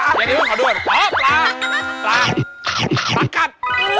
อย่างนี้มันคอด้วยโอ๊ยปลาละกัด